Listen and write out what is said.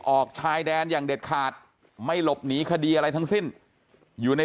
ออกชายแดนอย่างเด็ดขาดไม่หลบหนีคดีอะไรทั้งสิ้นอยู่ใน